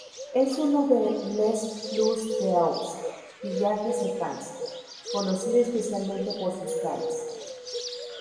Es una de "Les plus beaux villages de France", conocida especialmente por sus calas.